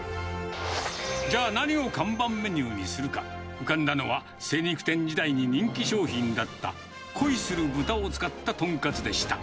じゃあ何を看板メニューにするか、浮かんだのは、精肉店時代に人気商品だった、恋する豚を使ったトンカツでした。